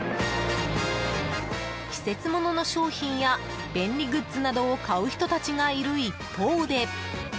季節物の商品や便利グッズなどを買う人たちがいる一方で。